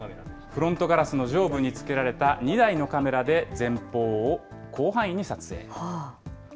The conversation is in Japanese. フロントガラスの上部に付けられた２台のカメラで、前方を広範囲に撮影。